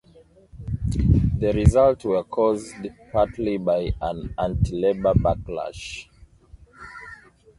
The results were caused partly by an anti-Labour backlash.